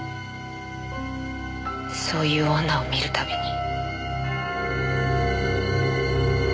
そういう女を見る度に。